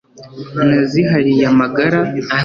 nazihariye amagara